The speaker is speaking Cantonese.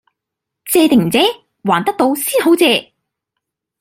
借定唔借？還得到先好借！